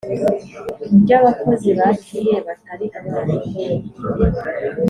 Ry abakozi ba kie batari abarimu